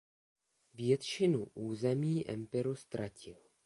Většinu území Epiru ztratil.